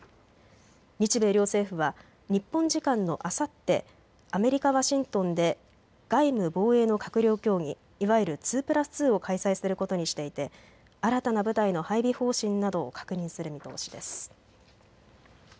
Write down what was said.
日米両政府は日本時間のあさってアメリカ・ワシントンで外務・防衛の閣僚協議、いわゆる２プラス２を開催することにしていて新たな部隊の配備方針などを確認する見通しです。